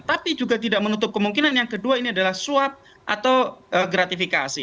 tapi juga tidak menutup kemungkinan yang kedua ini adalah suap atau gratifikasi